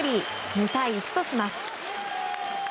２対１とします。